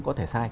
có thể sai